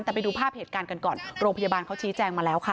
แต่ไปดูภาพเหตุการณ์กันก่อนโรงพยาบาลเขาชี้แจงมาแล้วค่ะ